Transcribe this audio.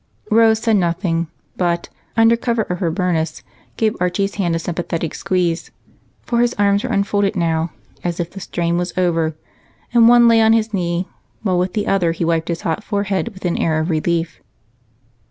Rose said nothing, but under cover of her burnous gave Archie's hand a sympathetic squeeze, for his arms were unfolded now, as if the strain was over, and one lay on his knee while with the other he wiped his hot forehead with an air of relief.